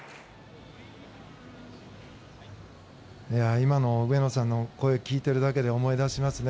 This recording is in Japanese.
今の上野さんの声を聞いているだけで思い出しますね。